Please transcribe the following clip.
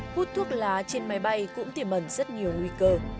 hút thuốc lá trên máy bay cũng tiềm ẩn rất nhiều nguy cơ